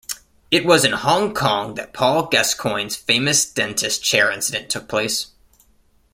It was in Hong Kong that Paul Gascoigne's famous dentist chair incident took place.